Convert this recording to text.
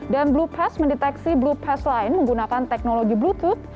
dan blue pass mendeteksi blue pass lain menggunakan teknologi bluetooth